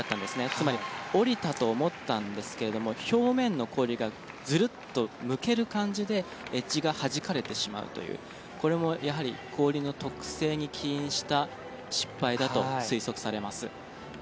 つまり、降りたと思ったんですが表面の氷がずるっと抜ける感じでエッジがはじかれてしまうというこれもやはり残りの特性に起因した失敗だと思います。